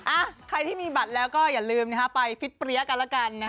อ่ะใครที่มีบัตรแล้วก็อย่าลืมไปฟิตเปรี้ยกันแล้วกันนะฮะ